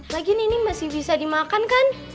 lagi nih ini masih bisa dimakan kan